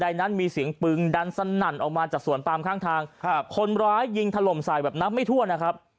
ใดนั้นมีเสียงปืนดันสนั่นออกมาจากสวนปามข้างทางครับคนร้ายยิงถล่มใส่แบบนับไม่ทั่วนะครับ